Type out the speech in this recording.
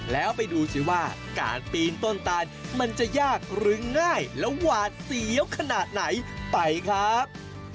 แล้วไปดูสิว่าการปีนต้นตาลมันจะยากหรือง่ายและหวาดเสียวขนาดไหนไปครับ